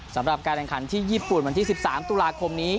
สำหรับการแข่งขันที่ญี่ปุ่นวันที่๑๓ตุลาคมนี้